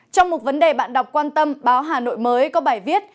trong một vấn đề bạn đọc quan tâm báo hà nội mới có bài viết